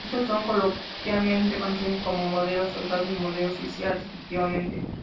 Estos son coloquialmente conocidos como "modelo Soldado" y "modelo Oficial", respectivamente.